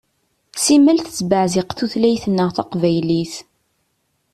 Simmal tettbeɛziq tutlayt-nneɣ taqbaylit.